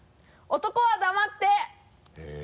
男は黙って。